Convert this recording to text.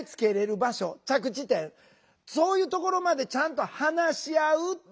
そういうところまでちゃんと話し合うっていう。